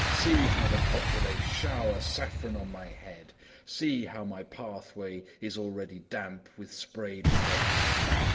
See how the populace shower saffron on my head! See how my pathway is already damp with sprayed perfume!